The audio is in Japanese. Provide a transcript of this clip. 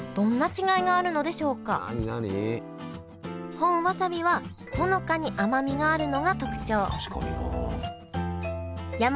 本わさびはほのかに甘みがあるのが特徴確かになあ。